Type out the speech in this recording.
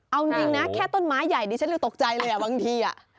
เอาจริงนะแค่ต้นไม้ใหญ่ดิฉันเลยตกใจเลยบางที